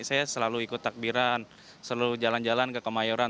saya selalu ikut takbiran selalu jalan jalan ke kemayoran